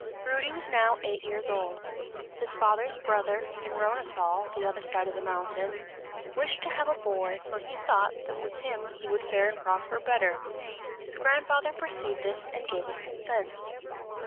Rudy was now eight years old. His father's brother, in Rhonethal, the other side of the mountain, wished to have the boy, for he thought that with him he would fare and prosper better; his grandfather perceived this and gave his consent.